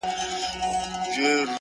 o ما په اول ځل هم چنداني گټه ونه کړه ـ